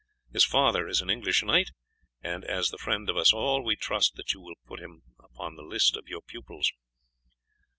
His father is an English knight, and as the friend of us all we trust that you will put him upon the list of your pupils."